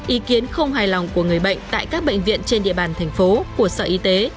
ý kiến không hài lòng của người bệnh tại các bệnh viện trên địa bàn thành phố của sở y tế